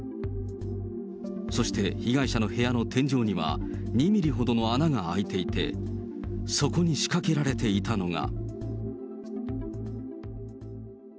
そして被害者の部屋の天井には、２ミリほどの穴が開いていて、そこに仕掛けられていたのが。